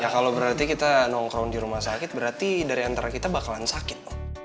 ya kalau berarti kita nongkrong di rumah sakit berarti dari antara kita bakalan sakit